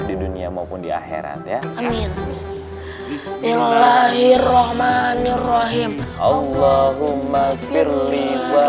di dunia maupun di akhirat ya amin bismillahirrohmanirrohim allahumma firli wa